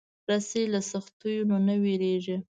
رسۍ له سختیو نه نه وېرېږي.